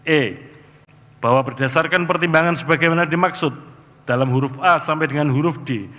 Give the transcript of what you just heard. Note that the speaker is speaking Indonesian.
e bahwa berdasarkan pertimbangan sebagaimana dimaksud dalam huruf a sampai dengan huruf d